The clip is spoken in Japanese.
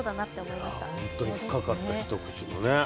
いや本当に深かった一口のね。